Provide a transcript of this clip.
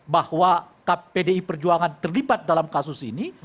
bahwa pdi perjuangan terlibat dalam kasus ini